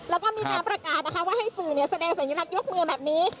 แล้วก็มีการประกาศนะคะว่าให้ศูนย์เนี่ยแสดงศัลยุนัทยกเมืองแบบนี้